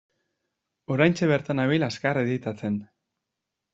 Oraintxe bertan nabil azkar editatzen.